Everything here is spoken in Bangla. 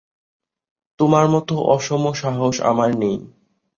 তোমার মতো অসমসাহস আমার নেই।